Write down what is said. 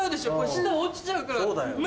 下落ちちゃうから無理だよ。